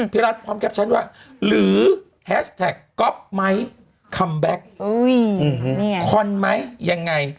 พี่รัฐพร้อมแคปชั่นว่าหรือแฮชแท็กก๊อฟไหมคัมแบ็คคอนไหมยังไง